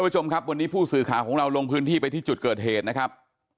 วันนี้ผู้สื่อขาของเรารงพื้นที่ไปที่จุดเกิดเหตุนะครับ